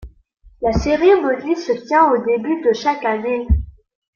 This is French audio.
La cérémonie se tient au début de chaque année.